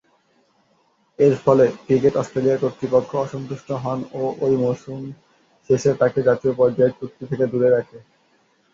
এরফলে, cricket Australia কর্তৃপক্ষ অসন্তুষ্ট হন ও ঐ মৌসুম শেষে তাকে জাতীয় পর্যায়ের চুক্তি থেকে দূরে রাখে।